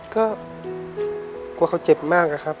ก็กลัวเขาเจ็บมากอะครับ